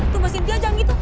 tuh mbak sintia jangan gitu